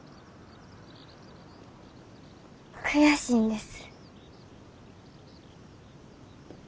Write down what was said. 悔しいんです。